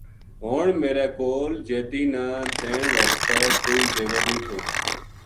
ہن میرے کول جیدی نا دین واسطے کوئی زیور نیہہ تھو